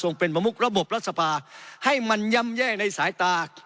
เป็นประมุกระบบรัฐสภาให้มันย่ำแย่ในสายตา